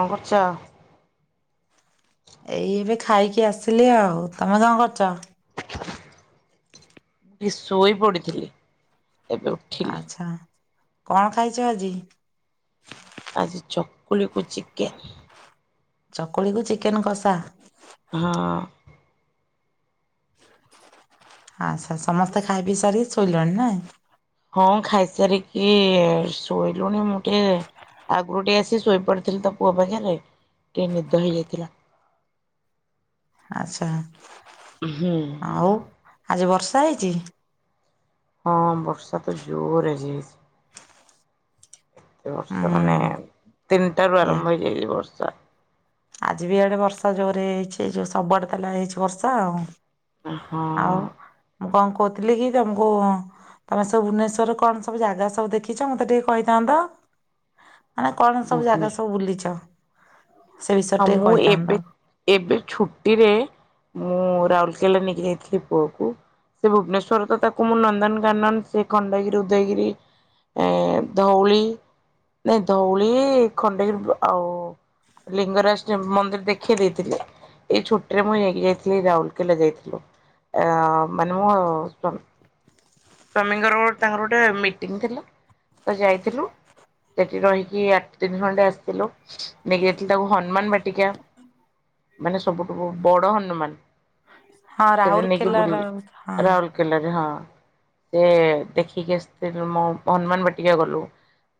କନ୍ କରୁଚ। ଏଇ ଏବେ ଖାଇକି ଆସିଲି ଆଉ ତମେ କଣ କରୁଚ। ଇ ଶୋଇ ପଡିଥିଲି। ଆଛା କଣ ଖାଇଚ ଆଜି। ଆଜି ଚକୁଳିକୁ ଚିକେନ୍। ଚକୁଳିକୁ ଚିକେନ କଷା। ହଁଅଁ ଆଛା ସମସ୍ତେ ଖାଇ ପିଇ ସାରିକି ଶୋଇଲାଣି ନାଁ? ହଁ ଖାଇସାରିକି ଶୋଇଲୁଣି ମୁଁ ଟିକେ, ଆଗରୁ ଟିକେ ଆସି ଶୋଇପଡିଥିଲି ତପୁଅ ପାଖରେ ଟିକେ ନିଦ ହେଇଯାଇଥିଲା। ଆଚ୍ଛା ହୁଁ ଆଉ ଆଜି ବର୍ଷା ହେଇଛି? ହଁ ବର୍ଷା ତ ଜୋରରେ ହେଇଛି। ଏତେ ବର୍ଷା ମାନେ ହୁଁ ତିନିଟାରୁ ଏଇଆ ଆରମ୍ଭ ହେଇଯାଇଛି ବର୍ଷା। ଆଜି ବି ଇଆଡେ ବର୍ଷା ଜୋରରେ ହେଇଛି ଯୋଉ ସବୁଆଡେ ତାହାଲେ ହେଇଛି ବର୍ଷା ଆଉ। ହଁ ଆଉ ମୁଁ କଣ କହୁଥିଲି କି ତମକୁ? ତମେ ସବୁ ଭୁବନେଶ୍ଵର ରେ କଣ ସବୁଜାଗା ସବୁ ଦେଖିଛ ମତେ ଟିକେ କହିଥାନ୍ତ ତ? ହ [unintelligible] ମାନେ କଣ ସବୁ ଜାଗା ସବୁ ବୁଲିଛ? ସେ ବିଷୟରେ ହଁ ଟିକେ ମୁଁ କହିଥାନ୍ତ ଏବେ ଏବେ ଛୁଟିରେ, ମୁଁ ରାଉରକେଲା ନେଇକି ଯାଇଥିଲି ପୁଅକୁ। ସେ ଭୁବନେଶ୍ଵର ତ ତାକୁ ମୁଁ ନନ୍ଦନକାନନ ସେ ଖଣ୍ଡଗିରି ଉଦୟଗିରି, ଏ ଧଉଳି ନାଇଁ ଧଉଳି ଖଣ୍ଡକଗିରି ଆଉ, ଲିଙ୍ଗରାଜ ମନ୍ଦିର ଦେଖେଇ ଦେଇଥିଲି। ଏଇ ଛୁଟି ରେ ମୁଁ ନେଇକି ଯାଇକି ଯାଇଥିଲି ରାଉରକେଲା ଯାଇଥିଲୁ। ଆ ମାନେ ମୁଁ ସ, ସ୍ଵାମୀଙ୍କର ଗୋଟେ ତାଙ୍କର ଗୋଟେ ମିଟିଂ ଥିଲା ତ ଯାଇଥିଲୁ। ସେଠି ରହିକି ଆଠ ତିନି ଖଣ୍ଡେ ଆସିଥିଲୁନେଇ ତାକୁ ହନୁମାନ ବାଟିକା ମାନେ ସବୁଠୁ ବଡ ହନୁମାନ। ହଁ ସେଟା ନେଇକି ରାଉରକେଲାର ବୁଲେଇଲି ହଁ ରାହୁଲକେଲାରେ ହଁ। ସେ ଦେଖିକିଆସିଥିଲୁ ହନୁମାନ ବାଟିକା ଗଲୁ।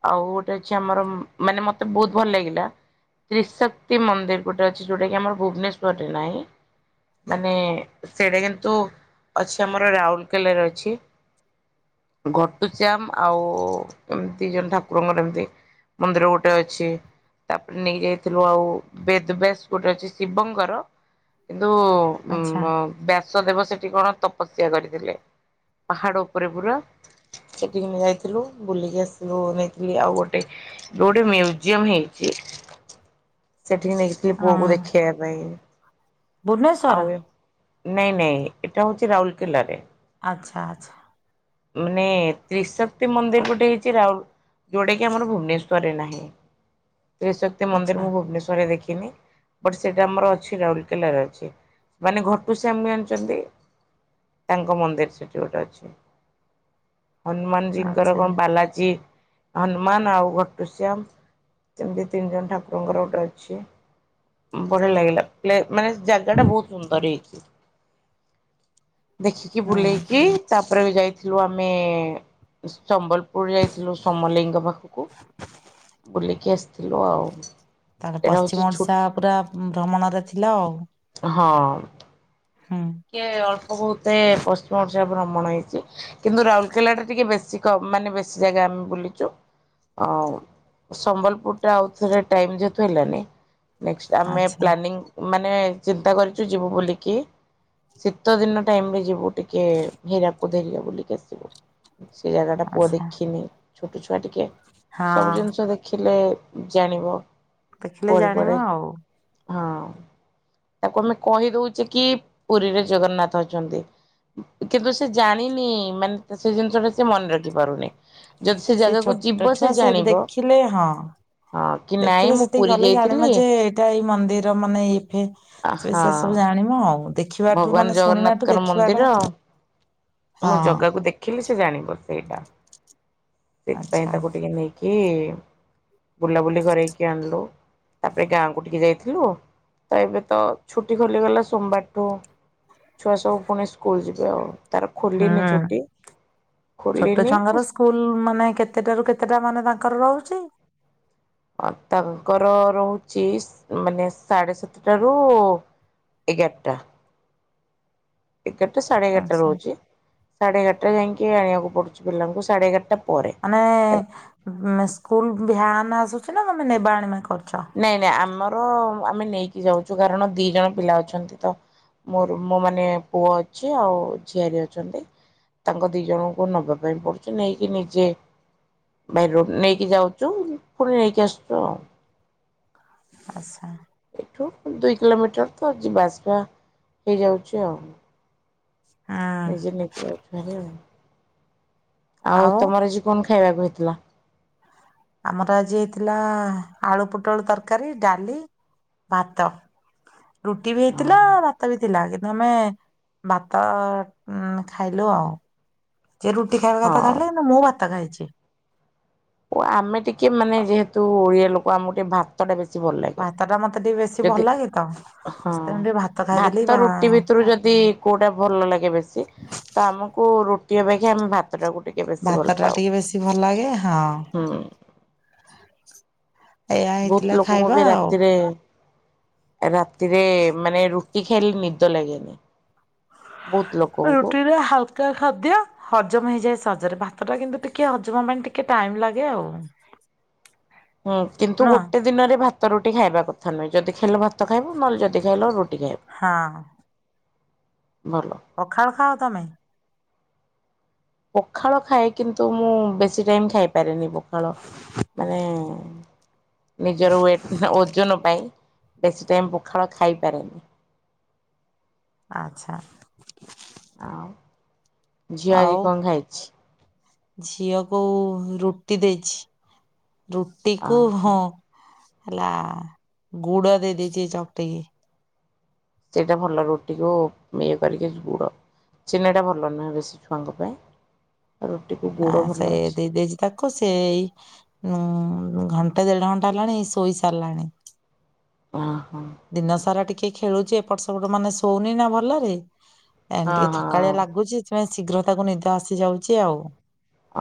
ଆଉ ଗୋଟେ ଅଛି ଆମର ମାନେ ମତେ ବହୁତ ଭଲ ଲାଗିଲା। ତ୍ରିଶକ୍ତି ମନ୍ଦିର ଗୋଟେ ଅଛି ଯୋଉଟା କି ଆମର ଭୁବନେଶ୍ୱଵରରେ ନାହିଁ। ମାନେ ସେଇଟା କିନ୍ତୁ ଅଛି ଆମର ରାଉରକେଲାରେ ଅଛି। ଘଟୁଚ୍ୟାମ ଆଉ ଏମିତି ଜଣେ ଠାକୁରଙ୍କର ଏମିତି। ମନ୍ଦିର ଗୋଟେ ଅଛି ତାପରେ ନେଇଯାଇ ଥିଲୁ ଆଉ ବେଦ ବ୍ୟାସ ଗୋଟେ ଅଛି ଶିବଙ୍କର କିନ୍ତୁ, ଉଁ ଆଚ୍ଛା ବ୍ୟାସ ଦେେବ ସେଠି କଣ ତପସ୍ୟା କରିଥିଲେ ପାହାଡ ଉପରେ ପୁରା। ସେଠିକି ଆମେଯାଇଥିଲୁ ବୁଲିକି ଆସିଥିଲୁ ନେଇଥିଲି ଆଉ ଗୋଟେ, ଯଉଠି ମ୍ୟୁଜିୟମ ହେଇଛି। ସେଠିକି ନେଇଥିଲି ପୁଅ କୁ ହଁ ଦେଖେଇବା ପାଇଁ ଭୁବନେଶ୍ଵର ଆଉ। ନାଇଁ ନାଇଁ ଏଇଟା ହଉଛି ରାଉରକେଲାରେ। ଆଚ୍ଛା ଆଚ୍ଛା। ମାନେ ତ୍ରିଶକ୍ତି ମନ୍ଦିର ଗୋଟେ ହେଇଛି ରାଉଲ ଯୋଉଟା କି ଆମର ଭୁବନେଶ୍ଵରରେ ନାହିଁ, ତ୍ରିଶକ୍ତି ଆଚ୍ଛା ମନ୍ଦିର ମୁଁ ଭୁବନେଶ୍ଵରରେ ଦେଖିନି। ବଟ୍ ସେଇଟା ଆମର ଅଛି ରାଉରକେଲାରେ ଅଛି ମାନେ ଘଟୁଶ୍ୟାମ ଜାଣିଛନ୍ତି। ତାଙ୍କ ମନ୍ଦିର ସେଠି ଗୋଟେ ଅଛି। ହନୁମାନଜୀଙ୍କର ଆଚ୍ଛା କଣ ବାଲାଜୀ ହନୁମାନ ଆଉ ଘଟୁଶ୍ୟାମ ସେମତି ତିନି ଜଣ ଠାକୁର ଆପଙ୍କର ଗୋଟେ ଅଛି ବଢିଆ ଲାଗିଲାହେଲେ ମାନେ ଜାଗା ଟା ବହୁତ ସୁନ୍ଦର ହେଇଛି, ଦେଖିକି ହୁଁ ବୁଲେଇକି ତାପରେ ବି ଯାଇଥିଲୁ ଆମେ ସମ୍ବଲପୁର ଯାଇଥିଲୁ ସମଲେଇ ପାଖକୁ ବୁଲିକି ଆସି ଯିବ ଆଉ। ତାଲେ ଏଇଟା ହଉଛି ପଶ୍ଚିମ ଛୁ ଓଡିଶା ପୁରା ଭ୍ରମଣରେ ଥିଲା ଆଉ। ହଁ ହୁଁ ଟିକେ ଅଳ୍ପ ବହୁତ ପଶ୍ଚିମ ଭ୍ରମଣ ହେଇଛି କିନ୍ତୁ ରାଉରକେଲା ଟା ଟିକେ ବେଶୀ କ ମାନେ ବେଶୀ ଜାଗା ଆମେ ବୁଲିଛୁ। ଆଉ ସମ୍ବଲପୁର ଟା ଆଉଥରେ ଟାଇମି ଯେହେତୁ ହେଲାନି ନେକ୍ଟ ଆମେ ଆଚ୍ଛା ପ୍ଲାନିଂ ମାନେ ଚିନ୍ତା କରିଚୁ ଯିବୁ ବୋଲିକି ଶୀତ ଦିନ ଟାଇମି ରେ ଯିବୁ। ଟିକେ ହୀରାକୁଦ ଏରିକା ବୋଲିିକି ଆସିବୁ ସେ ଜାଗା ଟା ପୁଅ ଆଚ୍ଛା ଦେଖିନି। ଛୋଟ ଛୁଆ ଟିକେ ସବୁ ହଁ ଜିନିଷ ଦେଖିଲେ ଜାଣିବ। ଦେଖିଲେ ପରେ ଜାଣିବ ପରେ ଆଉ ହଁ। ତାକୁ ଆମେ କହି ଦଉଚେକି ପୁରୀରେ ଜଗନ୍ନାଥ ଅଛନ୍ତି। କିନ୍ତୁ ସେ ଜାଣିନି ମାନେ ସେ ଜିନିଷ ଟା ସେ ମନେ ରଖି ପାରୁନି। ଯଦି ସେ ଜାଗାକୁ ଛୋଟ ଯିବ ସେ ଛୁଆ ଜାଣିବ ଦେଖିଲେ ହଁ ହଁ। କି ନାଇଁ ଦେଖିଲେ ମୁଁ ସେତିକି ପୁରୀ ଗଲେ ଯାଇଥିଲି ଜାଣିମ ଯେ ଏଇଟା ଏଇ ମନ୍ଦିର ମାନେ ଇଫେ ସେ ହଁ ବିଷ ସବୁ ଜାଣ ଆଣିବ ଆଉ। ଦେଖିବାଠୁ ଭଗବାନ ମାନେ ଶୁଣିବାଠୁ ଜଗନ୍ନାଥର ଦେଖିବାଟା ମନ୍ଦିର ହଁ ମୁଁ ଜଗାକୁ ଦେଖ ଦେଖିଲେ ସେ ଜାଣିବ ସେଇଟା ସେଥିପାଇଁ ଆଚ୍ଛା ତାକୁ ଟିକେ ନେଇକି ବୁଲାବୁଲି କରେଇକି ଆଣିଲୁ। ତାପରେ ଗାଁକୁ ଟିକେ ଯାଇଥିଲୁ ତ ଏବେ ତ ଛୁଟି ଖୋଲିଗଲା ସୋମବାର ରୁ ଛୁଆସବୁ ପୁଣି ସ୍କୁଲ ଯିବେ ଆଉ। ତାର ଖୋଲିନି ହୁଁ ଛୁଟି ଖୋଲିନି। ସ୍କୁଲ୍ ମାନେ କେତେଟା ରୁ କେତେଟା ମାନେ ତାଙ୍କର ରହୁଚି। ତାଙ୍କର ରହୁଚି ମାନେ ସାଢେ ସାତଟାରୁ ଏଗାଟା। ଏଗାଟା ସାଢେ ଏଗାରଟା ଆଚ୍ଛା ରହୁଚି ସାଢେ ଏଗାରଟା ଯାଇକି ଆଣିବାକୁ ପଡୁଛି ପିଲାଙ୍କୁ ସାଢେ ଏଗାରଟା ପରେ। ମାନେ ସ୍କୁଲୁ ଭ୍ୟାନ ଆସୁଛି ନା ଆମେ ନେବା ଆଣିବା କରୁଛ? ନାଇଁ ନାଇଁ ଆମର ଆମେ ନେଇକି ଯାଉଚୁ କାରଣ ଦି ଜଣ ପିଲା ଅଛନ୍ତି ତ। ମୋର ମୋ ମାନେ ପୁଅ ଅଛି ଆଉ ଝିଆରୀ ଅଛନ୍ତି। ତାଙ୍କ ଦି ଜଣଙ୍କୁ ନବା ପାଇଁ ପଡୁଛି ନେଇକି ନିଜେ ଭାଇ ରୋ ନେଇକି ଯାଉଚୁ ପୁଣି ନେଇକି ଆସୁଛୁ ଆଉ। ଆଶା। ଏଠୁ ଦୁଇ କିଲୋମିଟର ତ ଯିବା ଆସିବା ହେଇଯାଉଛି ଆଉ। ହୁଁ ନିଜେ ନିଜେ ଯାଉଛୁ ଭାରି ଆଉ ଆଉ ତମର ଆଜି କଣ ଖାଇବାକୁ ହେଇଥିଲା? ଆମର ଆଜି ହେଇଥିଲା ଆଳୁ ପୋଟଳ ତରକାରୀ ଡାଲି ଭାତ ରୁଟି ବି ହେଇଥିଲା ଭା ଭାତ ବି ଥିଲା କିନ୍ତୁ ଆମେ ଭାତ ଖାଇଲୁ ଆଉ। ସେ ରୁଟି ଖାଇବା କଥା ହଁ ଖାଇଲା ନା ମୁଁ ଭାତ ଖାଇଛି। ଓ ଆମେ ଟିକେ ମାନେ ଯେହେତୁ ଓଡ଼ିଆ ଲୋକ ଆମକୁ ଟିକେ ଭାତ ଭାତ ଟା ବେଶୀ ଭଲ ଲାଗେ ଭାତ ଟା ମତେ ଟିକେ ବେଶୀ ଭଲ ଯଦି ଲାଗେ ତ ହଁ ସେଥିପାଇଁ ମୁଁ ଟିକେ ଖାଇଦେଲି ଭାତ ଭା ରୁଟି ବି ଏଥିରୁ ଯଦି କୋଉଟା ଭଲ ଲାଗେ ବେଶୀ ତ ଆମକୁ ରୁଟି ଅପେକ୍ଷା ଆମେ ଭା ତଟାକୁ ଟିକେ ବେ ଭାତ ଟା ଟିକେ ବେଶୀ ଭଲ ଲାଗେ ହଁ। ହୁଁ। ଏଇଆ ବହୁତ୍ ହେଇଥିଲା ଲୋକଙ୍କୁ ଖାଇବା ବି ଆଉ। ରାତିରେ ରାତିରେ ମାନେ ରୁଟି ଖାଇଲେ ନିଦ ଲାଗେନି। ବହୁତ ଲୋକଙ୍କୁ। ରୁଟିରେ ହାଲ ହାଲୁକା ଖାଦ୍ୟ ହଜମ ହେଇଯାଏ ସହଜରେ ଭାତ ଟା କିନ୍ତୁ ଟିକେ ହଜମ ପାଇଁ ଟିକେ ଟାଇମ୍ ଲାଗେ ଆଉ। ହୁଁ କିନ୍ତୁ ନୁହଁ ଗୋଟେ ଗୋଟେ ଦିନରେ ଭାତ ରୁଟି ଖାଇବା କଥା ନୁହେଁ ଯଦି ଖାଇଲ ଭାତ ଖାଇବ ନହେଲେ ଯଦି ଖାଇଲ ରୁଟି ଖାଇବ। ହଁ। ଭଲ। ପଖାଳ ଖାଅ ତମେ? ପଖାଳ ଖାଏ କିନ୍ତୁ ମୁଁ ବେଶୀ ଟାଇମ୍ ଖାଇପାରେନି ପଖାଳ। ମାନେ ନିଜର ୱେଟ୍ ଓଜନ ପାଇଁ ବେଶୀ ଟାଇମ୍ ପଖାଳ ଖାଇପାରେନି। ଆଚ୍ଛା। ଆଉ ଝିଅ ଆଜି ଆଉ କଣ ଖାଇଛି। ଝିଅକୁ ରୁଟି ଦେଇଚି ରୁଟି କୁ ଓହୋ ହଁ। ହେଲା ଗୁଡ଼ ଦେଇ ଦେଇଛି ଚକଟିକି। ସେଇଟା ଭଲ ରୁଟିକୁ ଇଏ କରିକି ଗୁଡ଼। ଚିିନିଟା ଭଲ ନୁହେଁ ବେଶୀ ଛୁଆଙ୍କ ପାଇଁ। ରୁଟିକୁ ଆ ଗୁଡ଼ ଭଲ ସେଇ ଅଛି ଦେଇ ଦେଇଛି ତା କୁ ସେଇ ଉଁ ଘଣ୍ଟେ ଦେଢ ଘଣ୍ଟା ହେଲାଣି ଶୋଇ ସାରିଲାଣି। ଓହୋ। ଦିନ ସାରା ଟିକେ ଖେଳୁଚି ଏପଟ ସେପଟ ମାନେ ଶୋଉନି ନା ଭଲରେ [unintelligible] ହଁ ଟିକେ ହଁ ଥକାଳିଆ ଲାଗୁଚି ସେଥିପାଇଁ ଶୀଘ୍ର ତାକୁ ନିଦ ଆସିଯାଉଛି ଆଉ।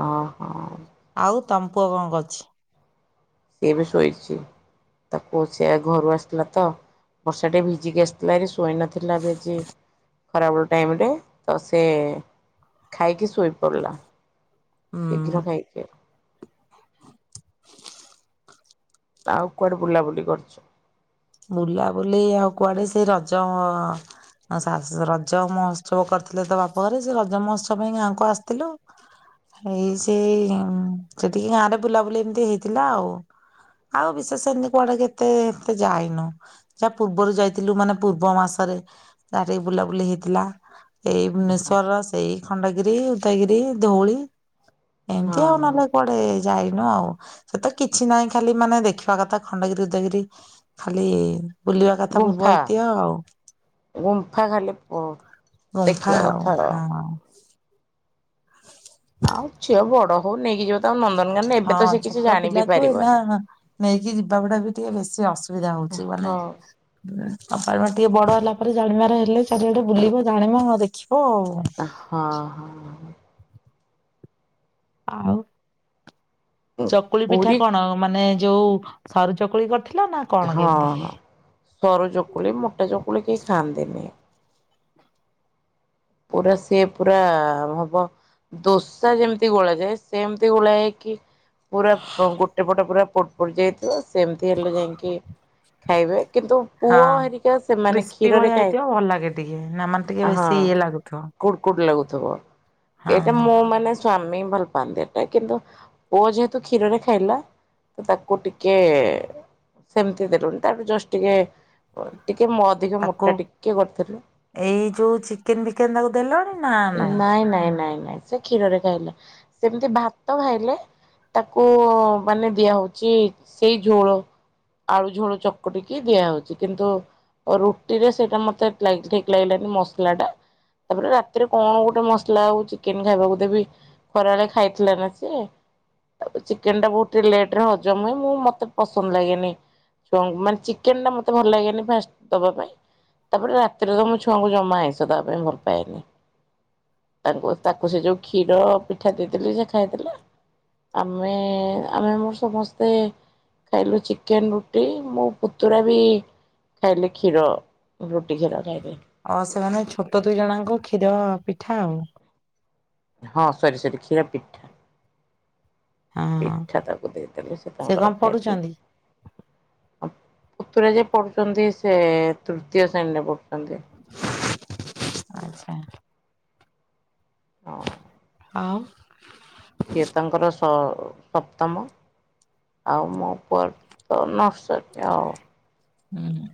ଓହୋ ଆଉ ତମପୁଅ କଣ କରଛି? ଇଏ ବି ଶୋଇଛି। ତାକୁ ସେ ଘରୁ ଆସିଥିଲା ତ ବର୍ଷା ଟିକେ ଭିଜିକି ଆସିଥିଲା ଭାରି ଶୋଇନଥି ଥିଲା ବିଜି ଖରାବେଳ ଟାଇମ୍ ରେ ତ ସେ ଖାଇକି ଶୋଇ ପଡ଼ିଲା ହୁଁ ଶୀଘ୍ର ଖାଇ [inaudible] ଆଉ କୁଆଡ଼େ ବୁଲାବୁଲି କରୁଛ? ବୁଲାବୁଲି ଆଉ କୁଆଡ଼େ ସେଇ ରଜ ଶା ରଜ ମହୋତ୍ସବ କରିଥିଲେ ତ ବାପଘରେ ସେ ରଜ ମହୋତ୍ସବ ପାଇଁ ଗାଁକୁ ଆସିଥିଲୁ। ଏଇ ସେ ସେଠିକି ଗାଁ ରେ ବୁଲାବୁଲି ଏମିତି ହେଇଥିଲା ଆଉ। ଆଉ ବିଶେଷ ଏମିତି କୁଆଡ଼େ କେତେ ଏତେ ଯାଇନୁ ଯାହା ପୂର୍ବରୁ ଯାଇଥିଲୁ ମାନେ ପୂର୍ବ ମାସରେ ଜାହା ଟିକେ ବୁଲାବୁଲି ହେଇଥିଲା। ଏଇ ଭୁବନେଶ୍ୱର ର ସେଇ ଖଣ୍ଡଗିରି ଉଦୟଗିରି ଧଉଳି ଏମିତି ଆଉ ହଁ ନହେଲେ କୁଆଡେ ଏ ଯାଇନୁ ଆଉ ସେତ କିଛି ନାହିଁ ଖାଲି ମାନେ ଦେଖିବା କଥା ଖଣ୍ଡଗିରି ଉଦୟଗିରି ଖାଲି ବୁଲିବା କଥା ପୂର୍ବ ଗୁମ୍ଫା [unintelligible] ଆଉ। ଗୁମ୍ଫା ଖାଲି ଗୁମ୍ଫା ଦେଖିବା କଥା ଆଉ। ହଁ ଆଉ ଝିଅ ବଡ଼ ହଉ ନେଇକି ଯିବ। ତାକୁ ନନ୍ଦନକାନନ ଏବେ ହଁ ତ ସେ କିଛି ଛୋଟ ଜାଣି ବି ପିଲାକୁୁ ଏଇନା ପାରିବନି। ନେଇକି ଯିବା ଗୁଡ଼ା ବି ଟିକେ ବେଶୀ ଅସୁବି ଜାଉଛି ହଁ ମାନେ [unintelligible] ଟିକେ ବଡ଼ ହେଲା ପରେ ଜାଣିବାର ହେଲେ ଚାରିଆଡ଼େ ବୁଲିବ ଜାଣିବ ଦେଖିବ ଆଉ। ଏ ହଁ, ହଁ। ଆଉ ଚକୁଳି ପିଠା ପୁରୀ କଣ ମାନେ ଯୋଉ ସରୁ ଚକୁଳି କରିଥିଲ ନା କଣ ହଁ କେମିତି? ସରୁ ଚକୁଳି ମୋଟା ଚକୁଳି କେହି ଖାଆନ୍ତିନି। ପୁରା ସିଏ ପୁରା ହବ ଦୋସା ଯେମିତି ଗୋଳା ଯାଏ ସେମିତି ଗୋଳା ହେଇ କି ପୁରା ଅଁ, ଗୋଟେ ପଟ ପୁରା ପୋଡ ପୋଡି ଯାଇଥିବ ସେମିତି ହେଲେ ଯାଇକି ଖାଇବେ। କିନ୍ତୁ ପୁଅ ହଁ ହେରିକା ସେମାନେ କ୍ରିସ୍ପି କ୍ଷୀରରେ ଭଳିଆ କାଏ, ହେଇଥିବ ଭଲ ଲାଗେ ଟିକେ ନା ମାନେ ଟିକେ ଆ, ହଁ। ବେଶୀ ଇଏ ଲାଗୁଥିବ କୁଡ୍ କୁଡ୍ ଲାଗୁଥିବ, ଏଇଟା ହଁ ମୁଁ ମାନେ ସ୍ୱାମୀ ଭଲ ପାଆନ୍ତି ଏଟା, କିନ୍ତୁ ପୁଅ ଯେହେତୁ କ୍ଷୀରରେ ଖାଇଲା। ତ ତାକୁ ଟିକେ ସେମିତି ଦେଲୁଣି ତାଠୁ ଜଷ୍ଟ ଟିକେ ଅ, ଟିକେ ମ-ଅଧିକ ତାକୁ ମୋଟା ଟିକେ କରିଥିଲି। ଏଇ ଯୋଉ ଚିକେନ୍ ବିକେନ୍ ତାକୁ ଦେଲଣି ନା ନାଇଁ? ନାଇଁ, ନାଇଁ, ନାଇଁ, ନାଇଁ। ସେ କ୍ଷୀରରେ ଖାଇଲା, ସେମିତି ଭାତ ଖାଇଲେ ତାକୁ ମାନେ ଦିଆ ହଉଛି ସେଇ ଝୋଳ। ଆଳୁ ଝୋଳୁ ଚକଟିକି ଦିଆହଉଛି, କିନ୍ତୁ ଅ, ରୁଟି ରେ ସେଇଟା ମୋତେ ଲାଗି ଠିକ୍ ଲାଗିଲାନି ମସଲା ଟା। ତାପରେ ରାତିରେ କଣ ଗୋଟେ ମସଲା ଆଉ ଚିକେନ୍ ଖାଇବାକୁ ଦେବି। ଖରାବେଳେ ଖାଇଥିଲା ନା ସିଏ। ତା ପରେ ଚିକେନ୍ ଟା ବହୁତି ଲେଟ୍ ରେ ହଜମ ହୁଏ। ମୁଁ ମୋତେ ପସନ୍ଦ ଲାଗେନି ଛୁଆଙ୍କୁ ମାନେ ଚିକେନ୍ ଟା ମୋତେ ଭଲ ଲାଗେନି ଫାଷ୍ଟ ଦବା ପାଇଁ। ତାପରେ ରାତିରେ ତ ମୋ ଛୁଆଙ୍କୁ ଜମା ଆଇଁଷ ଦବା ପାଇଁ ଭଲ ପାଏନି। ତାଙ୍କୁ ତାକୁ ସେ ଯୋଉ କ୍ଷୀର ପିଠା ଦେଇଦେଲି ସେ ଖାଇଥିଲା। ଆମେ ଆମେ ମୋର ସମସ୍ତେ ଖାଇଲୁ ଚିକେନ୍ ରୁଟି, ମୋ ପୁତୁରା ବି ଖାଇଲେ କ୍ଷୀର ରୁଟି କ୍ଷୀର ଖାଇବେ। ଅ, ସେମାନେ ଛୋଟ ଦୁଇ ଜଣଙ୍କୁ କ୍ଷୀର ପିଠା ଆଉ। ହଁ ସରି ସରି କ୍ଷୀର ପିଠା। ହଁ। ପିଠା ତାକୁ ଦେଇଦେଲେ ସେ କଣ ତାଙ୍କର ଖାଇଦେଲେ। ପଢୁଛନ୍ତି ଓ, ପତୁରା ଯେ ପଢୁଛନ୍ତି ସେ ତୃତୀୟ ଶ୍ରେଣୀରେ ପଢୁଛନ୍ତି। ଆଚ୍ଛା। ହଁ। ଆଉ ସିଏ ତାଙ୍କର ସ-ସପ୍ତମ। ଆଉ ମୋ ପୁଅ ର ତ ନର୍ସରୀ ଆଉ। ହୁଁ, ହୁଁ।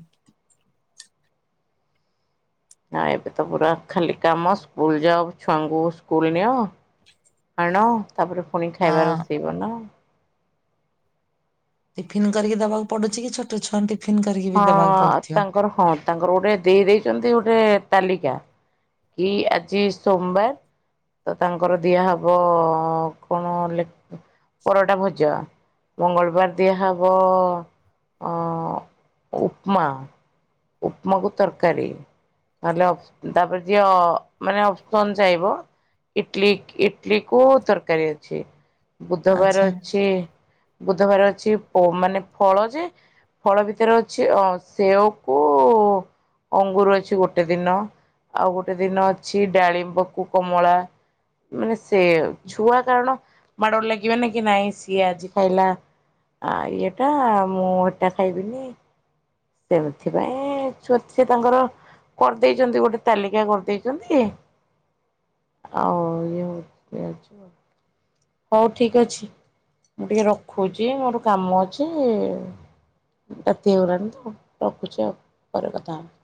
ଆଁ, ଏବେ ତ ପୁରା ଖାଲି କାମ ସ୍କୁଲ୍ ଯାଅ ଛୁଆଙ୍କୁ ସ୍କୁଲ୍ ନିଅ। ଆଣ ତାପରେ ପୁଣି ଖାଇବା ହଁ। ରୋଷେଇ ବନାଅ। ଟିଫିନ କରିକି ଦବାକୁ ପଡୁଛି କି ଛୋଟ ଛୁଆନ୍ତେ? ହଁ ତାଙ୍କର ହଁ ତାଙ୍କର ଗୋଟେ ଦେଇ ଦେଇଚନ୍ତି ଗୋଟେ ତାଲିକା। କି ଆଜି ସୋମବାର ତ ତାଙ୍କର ଦିଆ ହବ କଣ ଲେ ପରଟା ଭଜା, ମଙ୍ଗଳବାର ଦିଆ ହବ ଅଁ, ଉପମା। ଉପମାକୁ ତରକାରୀ ତାହେଲେ ତାପରେ ଯିଏ ହ ମାନେ ଅପ୍ସନ୍ ଚାହିବ ଇଟଲି ଇଟଲି କୁ ତରକାରୀ ଅଛି ବୁଧବାର ଆଚ୍ଛା। ଅଛି ବୁଧବାର ଅଛି ମାନେ ପ ଫଳ ଯେ ଫଳ ଭିତରେ ଅଛି ଅ ସେଓକୁ ଅଙ୍ଗୁର ଅଛି ଗୋଟେ ଦିନ ଆଉ ଗୋଟେ ଦିନ ଅଛି ଡାଳିମ୍ବକୁ କମଳା ମାନେ ସେ ଛୁଆ କାରଣ ମାଡ଼ ଲାଗିବେନି ନା କି ନାଇଁ ସିଏ ଆଜି ଖାଇଲା ଆ ଇଏଟା ମୁଁ ଏଟା ଖାଇବିନି ସେଥିପାଇଁ ଛୁଆ ସେ ତାଙ୍କର କରିଦେଇଛନ୍ତି ଗୋଟେ ତାଲିକା କରିଦେଇଛନ୍ତି ଆଉ ଇଏ ହଉଛି ଅଛି ହଉ ଠିକ୍ ଅଛି ମୁଁ ଟିକେ ରଖୁଛି ମୋର କାମ ଅଛି ରାତି ହେଇଗଲାଣି ତ ରଖୁଛି ଆଉ ପରେ କଥା ହବା